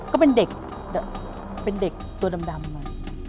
ก็เป็นเด็กเป็นเด็กตัวดำเลย